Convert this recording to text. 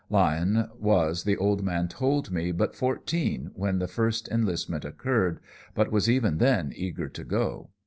Lyon was, the old man told me, but fourteen when the first enlistment occurred, but was even then eager to go.